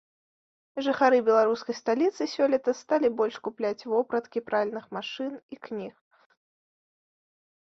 Жыхары беларускай сталіцы сёлета сталі больш купляць вопраткі, пральных машын і кніг.